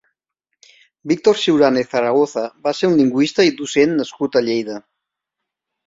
Víctor Siurana i Zaragoza va ser un lingüista i docent nascut a Lleida.